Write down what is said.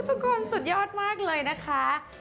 ทุกคนสุดยอดมากเลยนะคะ